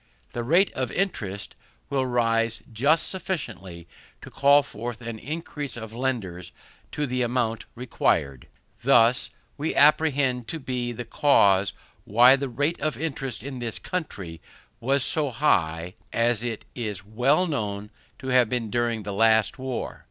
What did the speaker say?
The rate of interest will rise just sufficiently to call forth an increase of lenders to the amount required. This we apprehend to be the cause why the rate of interest in this country was so high as it is well known to have been during the last war.